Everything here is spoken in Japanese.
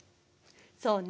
そうね。